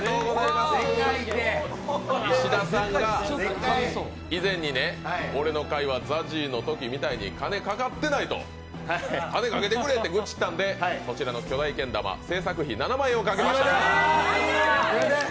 石田さんが以前にね、俺のときはＺＡＺＹのときみたいに金かかってないと、金かけてくれと愚痴ったので、そちらの巨大けん玉制作費７万円をかけました。